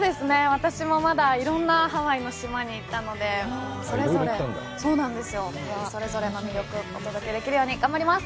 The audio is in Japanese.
私もまだ色んなハワイの島に行ったのでいろいろ行ったんだそうなんですよそれぞれの魅力お届けできるように頑張ります